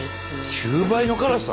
９倍の辛さ？